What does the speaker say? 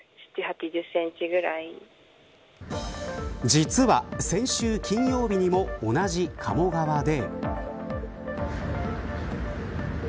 実は、先週金曜日にも同じ鴨川で。